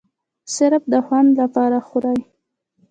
صرف د خوند د پاره خوري